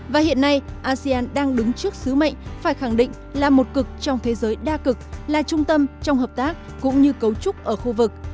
và hiện nay asean đang đứng trước sứ mệnh phải khẳng định là một cực trong thế giới đa cực là trung tâm trong hợp tác cũng như cấu trúc ở khu vực